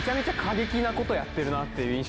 なことやってるなっていう印象。